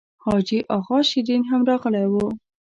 حاجي اغا شېرین هم راغلی و.